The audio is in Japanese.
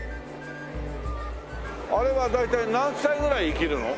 あれは大体何歳ぐらい生きるの？